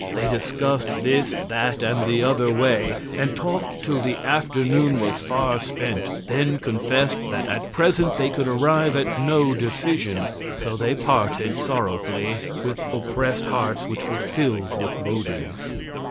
They discussed this, that, and the other way, and talked till the afternoon was far spent, then confessed that at present they could arrive at no decision. So they parted sorrowfully, with oppressed hearts which were filled with bodings.